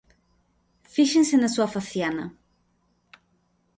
Fíxense na súa faciana.